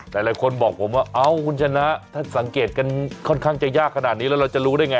หลายคนบอกผมว่าเอ้าคุณชนะถ้าสังเกตกันค่อนข้างจะยากขนาดนี้แล้วเราจะรู้ได้ไง